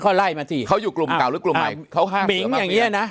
เขาไล่มาสิเขาอยู่กลุ่มเก่าหรือกลุ่มใหม่เขาห้ามหิงอย่างเงี้ยนะ